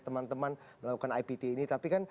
teman teman melakukan ipt ini tapi kan